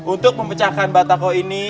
untuk memecahkan batako ini